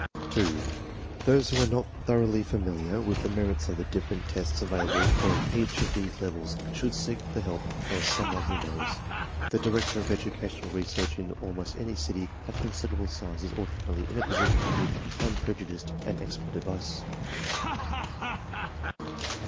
2. Those who are not thoroughly familiar with the merits of the different tests available for each of these levels should seek the help of some one who knows. The director of educational research in almost any city of considerable size is ordinarily in a position to give unprejudiced and expert advice.